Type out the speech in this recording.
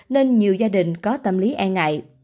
nên nhiều gia đình có tâm lý e ngại